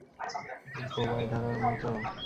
বোবায় ধরার মত?